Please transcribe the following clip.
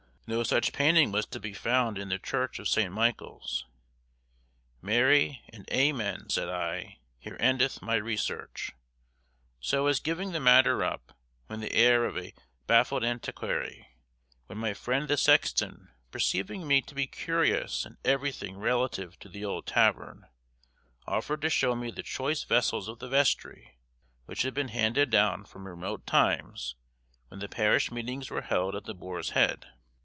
No such painting was to be found in the church of St. Michael's. "Marry and amen," said I, "here endeth my research!" So I was giving the matter up, with the air of a baffled antiquary, when my friend the sexton, perceiving me to be curious in everything relative to the old tavern, offered to show me the choice vessels of the vestry, which had been handed down from remote times when the parish meetings were held at the Boar's Head.